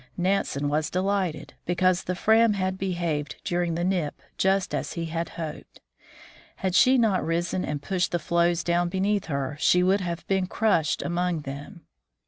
Nansen was delighted, because the Fram had behaved during the nip just as he had hoped. Had she not risen and pushed the floes down beneath her, she would have been crushed among them.